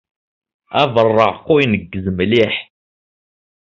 Abeṛṛeεqu ineggez mliḥ.